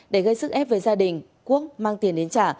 để gây sức ép với gia đình quốc mang tiền đến trả